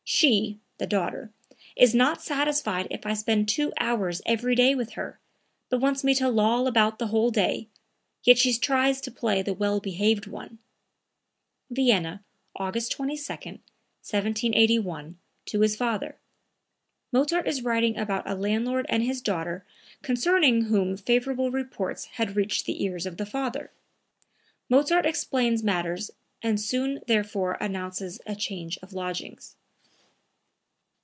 She (the daughter) is not satisfied if I spend two hours every day with her, but wants me to loll about the whole day; yet she tries to play the well behaved one." (Vienna, August 22, 1781, to his father. Mozart is writing about a landlord and his daughter concerning whom favorable reports had reached the ears of the father. Mozart explains matters and soon thereafter announces a change of lodgings.)